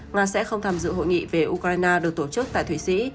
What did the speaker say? nga sẽ không tham dự hội nghị về ukraine được tổ chức tại thụy sĩ